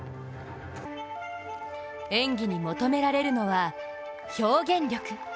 演技に求められるのは表現力。